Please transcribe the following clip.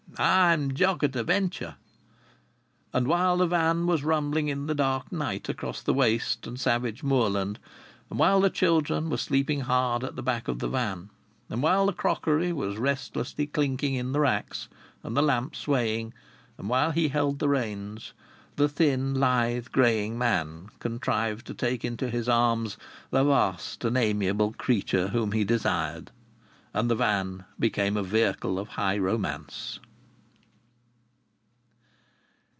I'm Jock at a Venture." And while the van was rumbling in the dark night across the waste and savage moorland, and while the children were sleeping hard at the back of the van, and while the crockery was restlessly clinking in the racks and the lamp swaying, and while he held the reins, the thin, lithe, greying man contrived to take into his arms the vast and amiable creature whom he desired. And the van became a vehicle of high romance.